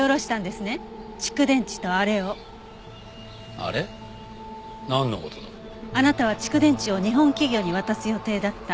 あなたは蓄電池を日本企業に渡す予定だった。